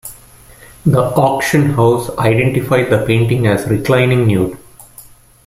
The auction house identified the painting as "Reclining Nude".